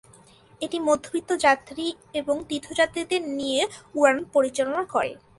এটি মধ্যবিত্ত যাত্রী এবং তীর্থযাত্রীদের নিয়ে উড়ান পরিচালনা করে।